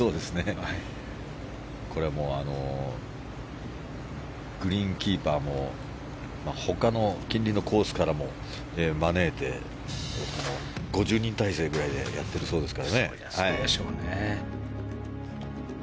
これはグリーンキーパーも他の近隣のコースからも招いて５０人態勢ぐらいでやってるそうですからね。